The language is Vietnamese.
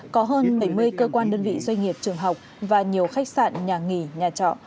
có hơn bảy mươi cơ quan đơn vị doanh nghiệp trường học và nhiều khách sạn nhà nghỉ nhà trọ